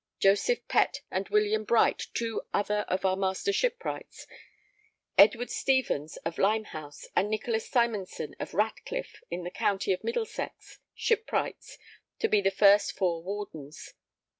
Joseph Pett and William Bright two other of our Master Shipwrights, Edward Stephens of Limehouse and Nicholas Symonson of Ratcliffe in the county of Middlesex Shipwrights to be the first four Wardens....